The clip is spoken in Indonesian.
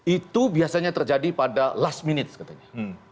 itu biasanya terjadi pada last minute katanya